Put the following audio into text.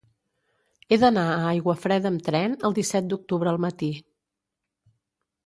He d'anar a Aiguafreda amb tren el disset d'octubre al matí.